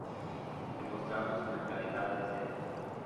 Demostrando su mentalidad de acero.